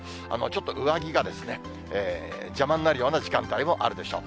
ちょっと上着が邪魔になるような時間帯もあるでしょう。